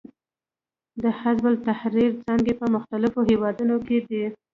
د حزب التحریر څانګې په مختلفو هېوادونو کې دي.